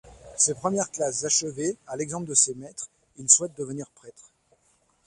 Ses premières classes achevées, à l'exemple de ses maîtres il souhaitait devenir prêtre.